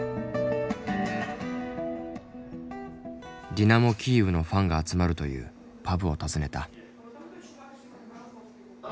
ディナモ・キーウのファンが集まるというパブを訪ねた。